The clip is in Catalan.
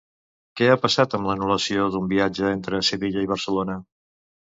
Què ha passat amb l'anul·lació d'un viatge entre Sevilla i Barcelona?